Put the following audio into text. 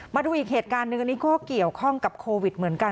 มาดูอีกเหตุการณ์หนึ่งอันนี้ก็เกี่ยวข้องกับโควิดเหมือนกัน